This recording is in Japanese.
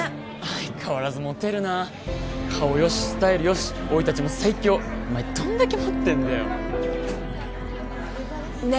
相変わらずモテるな顔よしスタイルよし生い立ちも最強お前どんだけ持ってんだよね